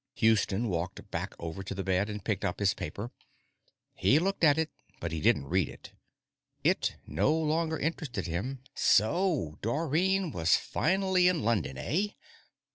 Houston walked back over to the bed and picked up his paper. He looked at it, but he didn't read it. It no longer interested him. So Dorrine was finally in London, eh?